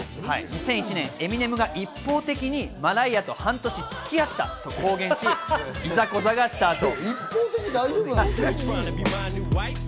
２００１年、エミネムが一方的にマライアと半年つき合ったと公言し、いざこざがスタート。